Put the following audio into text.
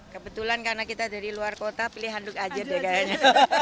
kebetulan karena kita dari luar kota pilih handuk aja deh kayaknya